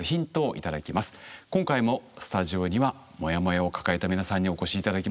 今回もスタジオにはモヤモヤを抱えた皆さんにお越し頂きました。